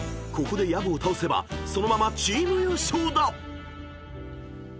［ここで薮を倒せばそのままチーム優勝だ］